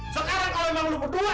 sekarang kalau emang lo berdua